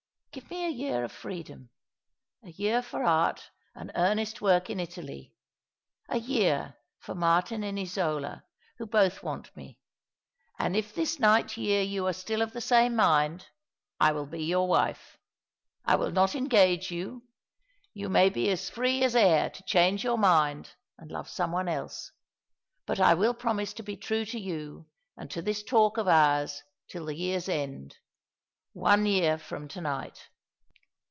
" Give me a year of freedom, a year for art and earnest work in Italy, a year for Martin and Isola, wb.o both want me; and if this night year you are still of the same mind, I will be your wife. I will not engage you. You may be as 214 ^^^ along the River, free as air to change your mind and love some one else ; but I will promise to be true to you and to this talk of ours till the year's end— one year from to night."